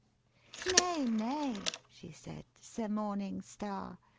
' Nay, nay,' she said, 'Sir Morning Star.